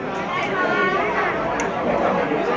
ก่อนที่ทำไม้ก็เสียใจ